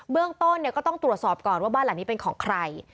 เรื่องต้นก็ต้องตรวจสอบก่อนว่าบ้านหลังนี้เป็นของใคร